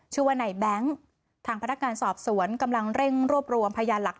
ชื่อว่าไหนแบงค์ทางพนักงานสอบสวนกำลังเร่งรวบรวมพยานหลักฐาน